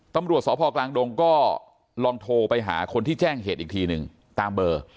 ตำรวจสพกลางดงก็ลองโทรไปหาคนที่แจ้งเหตุอีกทีหนึ่งตามเบอร์